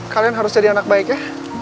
kalian harus jadi anak baik ya